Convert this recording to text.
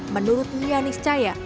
menurut lianis caya